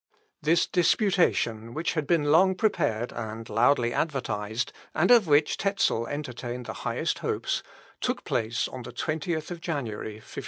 This disputation, which had been long prepared and loudly advertised, and of which Tezel entertained the highest hopes, took place on the 20th January, 1518.